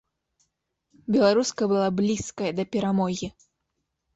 Беларуска была блізкая да перамогі.